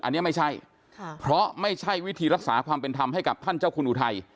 อันนี้ไม่ใช่ค่ะเพราะไม่ใช่วิธีรักษาความเป็นธรรมให้กับท่านเจ้าคุณอุทัย